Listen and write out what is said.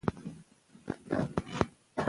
ایا بدلون به راسي؟